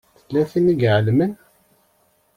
Tella tin i ɛelmen.